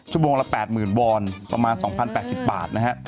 ชั่วโมงละ๘๐๐๐วอนประมาณ๒๐๘๐บาทนะฮะ